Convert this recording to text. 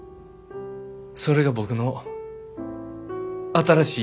それが僕の新しい夢。